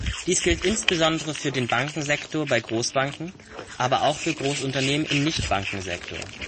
Dies gilt insbesondere für den Bankensektor bei Großbanken, aber auch für Großunternehmen im Nichtbankensektor.